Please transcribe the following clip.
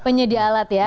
penyedia alat ya